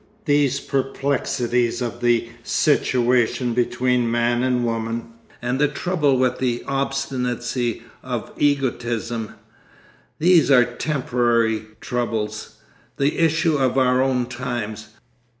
These perplexities of the situation between man and woman and the trouble with the obstinacy of egotism, these are temporary troubles, the issue of our own times.